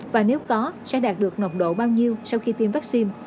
và nếu có sẽ đạt được ngộc độ bao nhiêu sau khi tiêm vaccine